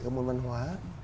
các môn văn hóa